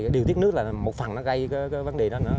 điều tiết nước là một phần gây vấn đề